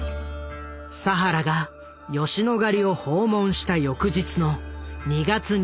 佐原が吉野ヶ里を訪問した翌日の２月２３日